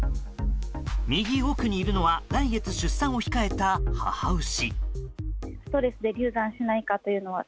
右奥にいるのは来月、出産を控えた母牛。